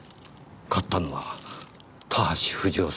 買ったのは田橋不二夫さんです。